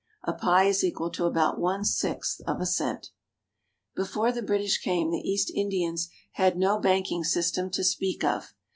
A pie is equal to about one sixth of a cent. Before the British came, the East Indians had no bank ing system to speak of.